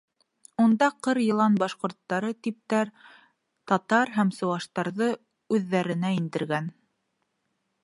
Унда ҡыр-йылан башҡорттары типтәр, татар һәм сыуаштарҙы үҙҙәренә индергән.